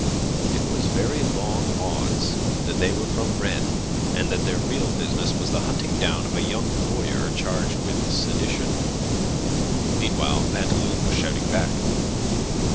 It was very long odds that they were from Rennes, and that their real business was the hunting down of a young lawyer charged with sedition. Meanwhile Pantaloon was shouting back.